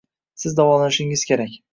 Siz davolanishingiz kerak